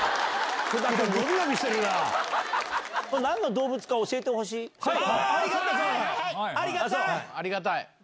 何の動物か教えてほしい？